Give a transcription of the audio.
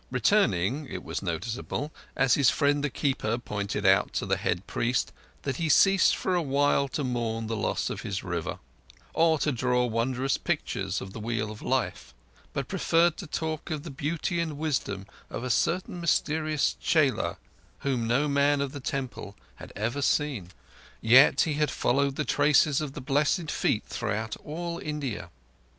Returning, it was noticeable, as his friend the Seeker pointed out to the head priest, that he ceased for a while to mourn the loss of his River, or to draw wondrous pictures of the Wheel of Life, but preferred to talk of the beauty and wisdom of a certain mysterious chela whom no man of the Temple had ever seen. Yes, he had followed the traces of the Blessed Feet throughout all India.